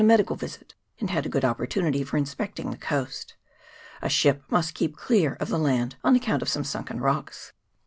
medical visit, and had a good opportunity for in specting the coast. A ship must keep clear of the land on account of some sunken rocks.